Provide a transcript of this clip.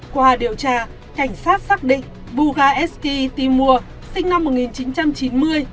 qua điều tra cảnh sát xác định bugasky timur sinh năm một nghìn chín trăm chín mươi